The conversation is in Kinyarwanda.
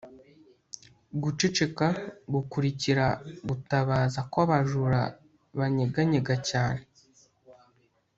guceceka gukurikira gutabaza kw'abajura byanyeganyega cyane